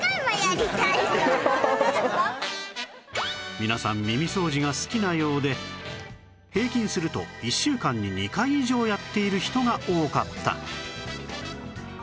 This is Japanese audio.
皆さん耳掃除が好きなようで平均すると１週間に２回以上やっている人が多かった